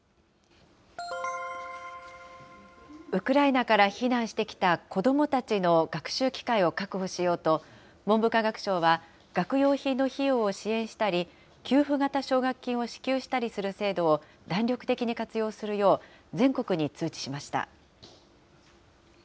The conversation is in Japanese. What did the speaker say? ウクライナから避難してきた子どもたちの学習機会を確保しようと、文部科学省は、学用品の費用を支援したり、給付型奨学金を支給したりする制度を弾力的に活用するよう、全国に通知しました。